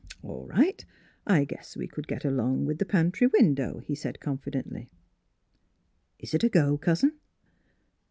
*' All right, I guess we could get along with the pantry window," he said confi dently. "Is it a go, cousin?"